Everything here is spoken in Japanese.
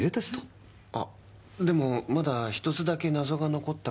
あでもまだ１つだけ謎が残ったままで。